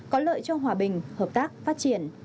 có lợi cho hòa bình hợp tác phát triển